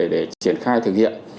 để triển khai thực hiện